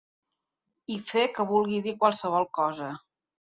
I fer que vulgui dir qualsevol cosa.